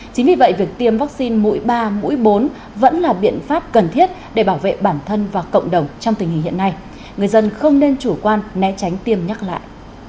chính vì vậy việc tiêm vaccine mũi ba mũi bốn vẫn là biện pháp cần thiết để bảo vệ bản thân và cộng đồng trong tình hình hiện nay người dân không nên chủ quan né tránh tiêm nhắc lại